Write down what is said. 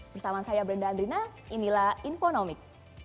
bersama saya brenda andrina inilah infonomik